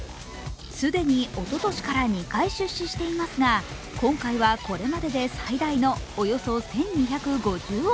既におととしから２回出資していますが今回はこれまでで最大のおよそ１２５０億円。